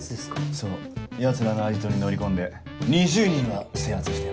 そうヤツらのアジトに乗り込んで２０人は制圧したよね。